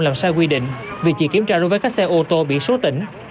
làm sai quy định vì chỉ kiểm tra đối với các xe ô tô bị sốt tỉnh